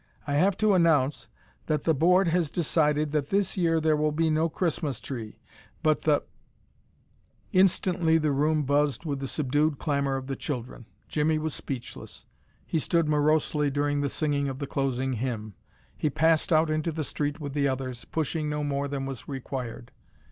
I have to announce that the Board has decided that this year there will be no Christmas tree, but the " Instantly the room buzzed with the subdued clamor of the children. Jimmie was speechless. He stood morosely during the singing of the closing hymn. He passed out into the street with the others, pushing no more than was required.